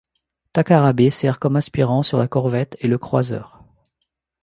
Takarabe sert comme aspirant sur la corvette ' et le croiseur '.